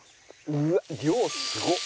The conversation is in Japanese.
うわっ量すごっ！